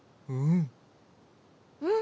うん。